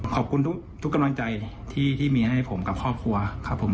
ขอบคุณทุกกำลังใจที่มีให้ผมกับครอบครัวครับผม